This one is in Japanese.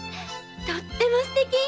とっても素敵！